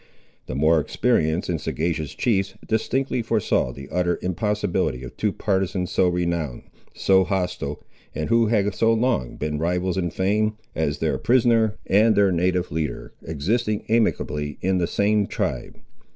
The more experienced and sagacious chiefs distinctly foresaw the utter impossibility of two partisans so renowned, so hostile, and who had so long been rivals in fame, as their prisoner and their native leader, existing amicably in the same tribe.